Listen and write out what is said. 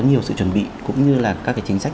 nhiều sự chuẩn bị cũng như là các cái chính sách